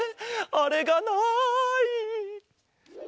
あれがない。